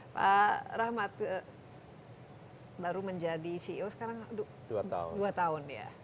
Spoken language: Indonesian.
pak rahmat baru menjadi ceo sekarang dua tahun ya